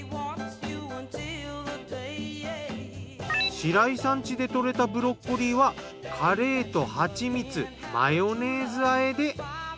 白井さん家で採れたブロッコリーはカレーとハチミツマヨネーズ和えで。